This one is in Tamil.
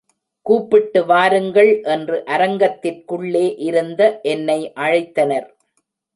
கூப்பிட்டு வாருங்கள் என்று, அரங்கத்திற்குள்ளே இருந்த என்னை அழைத்தனர்.